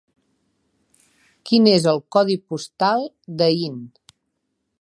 Quin és el codi postal d'Aín?